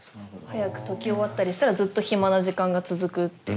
早く解き終わったりしたらずっと暇な時間が続くってこと？